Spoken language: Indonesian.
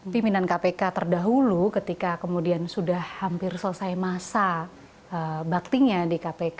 pimpinan kpk terdahulu ketika kemudian sudah hampir selesai masa baktinya di kpk